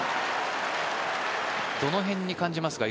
どの辺に感じますか？